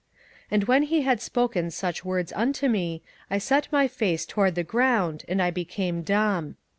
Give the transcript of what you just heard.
27:010:015 And when he had spoken such words unto me, I set my face toward the ground, and I became dumb.